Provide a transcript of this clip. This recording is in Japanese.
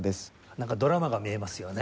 なんかドラマが見えますよね